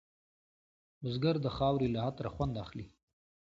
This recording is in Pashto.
بزګر د خاورې له عطره خوند اخلي